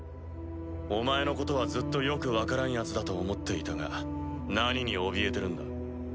お前のことはずっとよく分からんヤツだと思っていたが何におびえてるんだ？